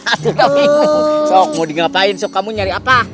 atuh bingung sok mau di ngapain sok kamu nyari apa